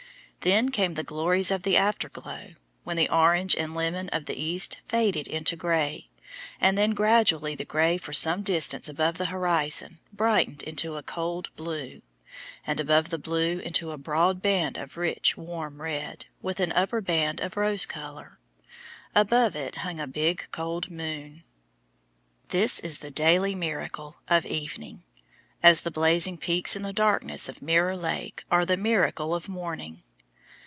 Then came the glories of the afterglow, when the orange and lemon of the east faded into gray, and then gradually the gray for some distance above the horizon brightened into a cold blue, and above the blue into a broad band of rich, warm red, with an upper band of rose color; above it hung a big cold moon. This is the "daily miracle" of evening, as the blazing peaks in the darkness of Mirror Lake are the miracle of morning.